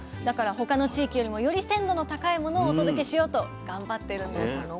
だから他の地域よりもより鮮度の高いものをお届けしようと頑張ってるんです。